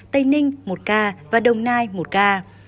tây ninh một ca và đồng nai một ca